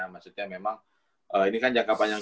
maksudnya memang ini kan jangka panjang